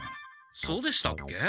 そうでしたっけ？